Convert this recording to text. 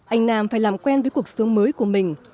anh nam phải làm quen với cuộc sống mới của mình